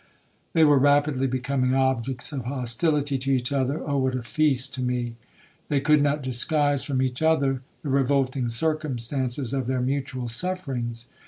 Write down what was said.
They were rapidly becoming objects of hostility to each other,—oh what a feast to me! They could not disguise from each other the revolting circumstances of their mutual sufferings.